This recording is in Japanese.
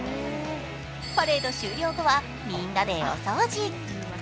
パレード終了後は、みんなでお掃除。